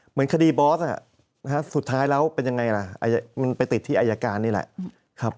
เหมือนคดีบอสสุดท้ายแล้วเป็นยังไงล่ะมันไปติดที่อายการนี่แหละ